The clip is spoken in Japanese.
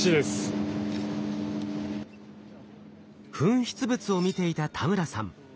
噴出物を見ていた田村さん。